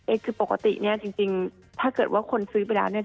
คือปกติเนี่ยจริงถ้าเกิดว่าคนซื้อไปแล้วเนี่ย